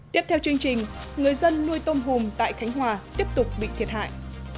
tiếp theo chương trình người dân nuôi tôm hùm tại khánh hòa tiếp tục bị thiệt hại